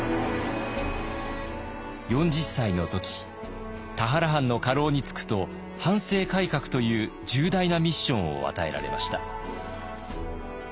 ４０歳の時田原藩の家老に就くと藩政改革という重大なミッションを与えられました。